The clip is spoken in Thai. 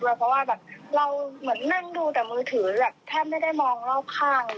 เพราะว่าแบบเราเหมือนนั่งดูแต่มือถือแบบแทบไม่ได้มองรอบข้าง